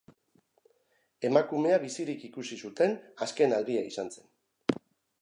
Emakumea bizirik ikusi zuten azken aldia izan zen.